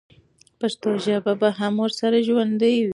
پښتو ژبه به هم ورسره ژوندۍ وي.